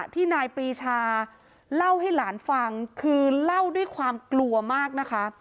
ที่นายปรีชาเล่าให้หลานฟังคือเล่าด้วยความกลัวมากนะคะ